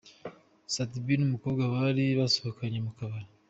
Sat B n'umukobwa bari basohokanye mu kabari.